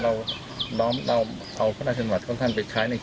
เราเอาพระราชบัติของท่านไปใช้ใน